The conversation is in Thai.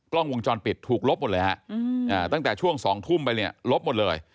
กล้องวงจรปิดถูกลบหมดเลยฮะตั้งแต่ช่วง๒ทุ่มไปเนี่ยลบหมดเลย